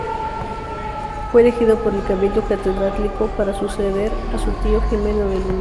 Fue elegido por el cabildo catedralicio para suceder a su tío Jimeno de Luna.